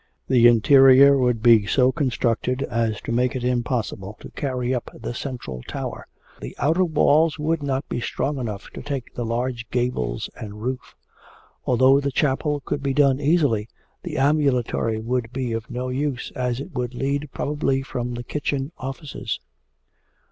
_'The interior would be so constructed as to make it impossible to carry up the central tower. The outer walls would not be strong enough to take the large gables and roof. Although the chapel could be done easily, the ambulatory would be of no use, as it would lead probably from the kitchen offices.